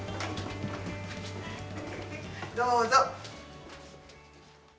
どうぞ。